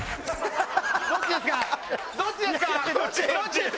どっちですか？